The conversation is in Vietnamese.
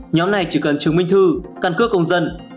nhóm này chỉ cần chứng minh thư căn cước công dân